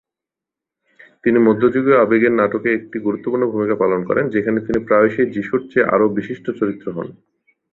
তিনি মধ্যযুগীয় আবেগের নাটকে একটি গুরুত্বপূর্ণ ভূমিকা পালন করেন, যেখানে তিনি প্রায়শই যীশুর চেয়ে আরও বিশিষ্ট চরিত্র হন।